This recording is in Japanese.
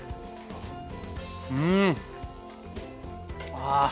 うん！わあ。